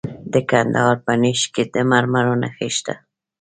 د کندهار په نیش کې د مرمرو نښې شته.